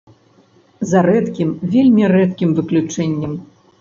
За рэдкім, вельмі рэдкім выключэннем.